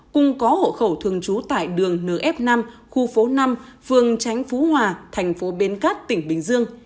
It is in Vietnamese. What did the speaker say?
cùng có hộ khẩu thường trú tại đường nf năm khu phố năm phường tránh phú hòa thành phố bến cát tỉnh bình dương